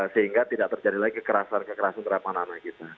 sehingga tidak terjadi lagi kekerasan kekerasan terhadap anak anak kita